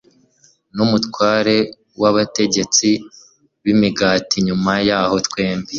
n umutware w abatetsi b imigati Nyuma yaho twembi